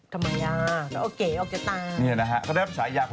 ทำไมย่าแล้วเอาเก๋เอาจะตาม